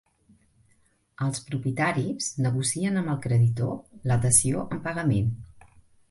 Els propietaris negocien amb el creditor la dació en pagament.